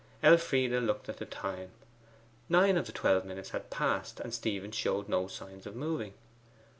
Elfride looked at the time; nine of the twelve minutes had passed, and Stephen showed no signs of moving.